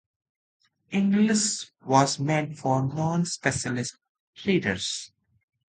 Inglis was meant for non-specialist readers.